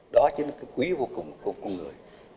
đó chính là cái quý vô cùng của người